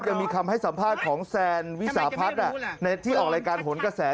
ยังมีคำให้สัมภาษณ์ของแซนวิสาพัฒน์ที่ออกรายการหนกระแส